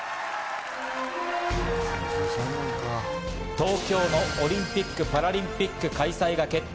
東京のオリンピック・パラリンピック開催が決定。